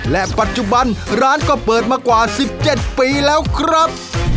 และปัจจุบันร้านก็เปิดมากว่า๑๗ปีแล้วครับ